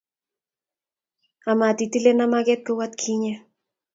amat itilena mageet kou atkinye